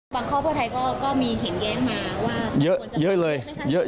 บางครอบครัวไทยก็มีเห็นแย้งมาว่า